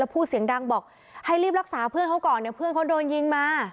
พูดเสียงดังบอกให้รีบรักษาเพื่อนเขาก่อนเดี๋ยวเพื่อนเขาโดนยิงมา